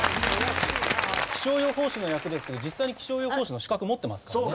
気象予報士の役ですけど実際に気象予報士の資格持ってますからね。